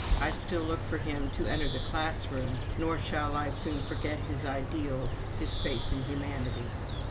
I still look for him to enter the classroom, nor shall I soon forget his ideals, his faith in humanity."